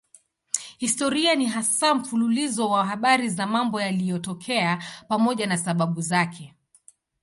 Historia ni hasa mfululizo wa habari za mambo yaliyotokea pamoja na sababu zake.